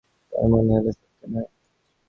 তাঁর মনে হলো, সত্যি নয়।